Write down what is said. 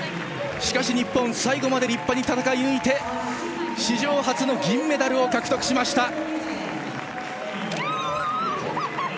しかし日本最後まで立派に戦い抜いて史上初の銀メダルを獲得しました。